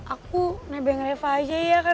aku nebeng reva aja ya